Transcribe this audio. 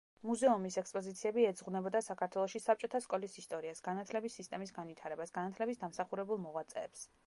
მუზეუმის ექსპოზიციები ეძღვნებოდა საქართველოში საბჭოთა სკოლის ისტორიას, განათლების სისტემის განვითარებას, განათლების დამსახურებულ მოღვაწეებს.